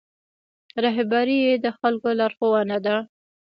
رهبري د خلکو لارښوونه ده